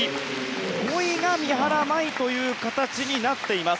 ５位が三原舞依という形になっています。